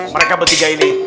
mereka bertiga ini